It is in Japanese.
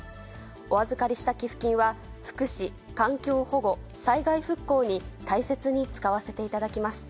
お預かりした寄付金は、福祉、環境保護、災害復興に大切に使わせていただきます。